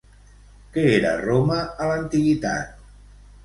Què era Roma a l'antiguitat?